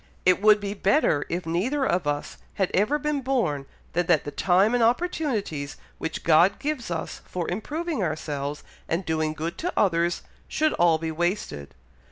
It would be better if neither of us had ever been born, than that the time and opportunities which God gives us for improving ourselves and doing good to others, should all be wasted.